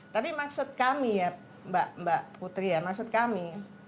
tapi maksud kami ya mbak putri ya maksud kami